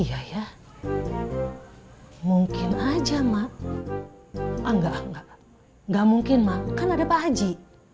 gak mungkin mak kan ada pak haji